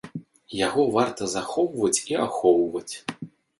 Яго варта захоўваць і ахоўваць.